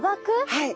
はい。